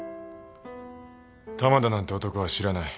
玉田なんて男は知らない。